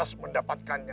kau akan mendapatkannya